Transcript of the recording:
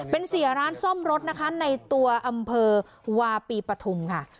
เป็นเสียร้านซ่อมรถนะคะในตัวอำเภอวาปีปฐุมค่ะ